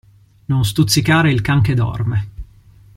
Non stuzzicare il can che dorme.